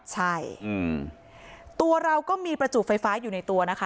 ใช่ตัวเราก็มีประจุไฟฟ้าอยู่ในตัวนะคะ